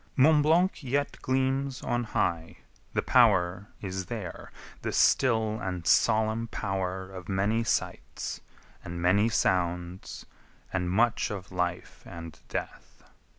V Mont Blanc yet gleams on high: the power is there, The still and solemn power of many sights, And many sounds, and much of life and death.